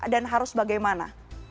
dan harus bagaimana